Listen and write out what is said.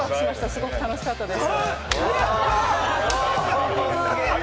すごく楽しかったです！